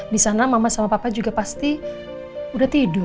di sana mama sama papa juga pasti udah tidur